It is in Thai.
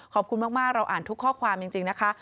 ขอบคุณมากเราอ่านทุกข้อความจริงนะคะ